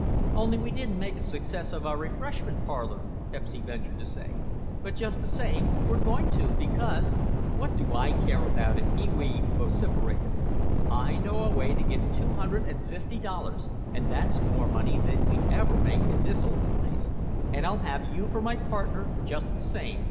"Only we didn't make a success of our refreshment parlor," Pepsy ventured to say, "but just the same we're going to because—" "What do I care about it?" Pee wee vociferated. "I know a way to get two hundred and fifty dollars and that's more money than we'd ever make in this old place. And I'll have you for my partner just the same.